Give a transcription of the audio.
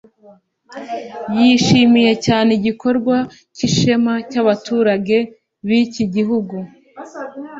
yishimiye cyane igikorwa cy’ishema cy’abaturage b’iki gihugu